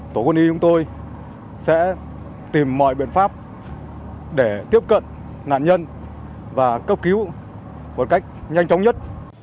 tổ quân y chúng tôi sẽ tìm mọi biện pháp để tiếp cận nạn nhân và cấp cứu một cách nhanh chóng nhất